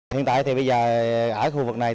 hiện tại thì bây giờ ở khu vực này